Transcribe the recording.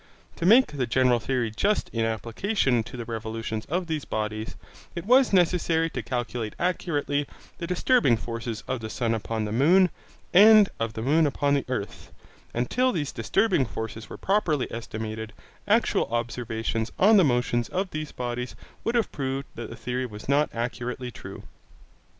To make the general theory just in application to the revolutions of these bodies, it was necessary to calculate accurately the disturbing force of the sun upon the moon, and of the moon upon the earth; and till these disturbing forces were properly estimated, actual observations on the motions of these bodies would have proved that the theory was not accurately true.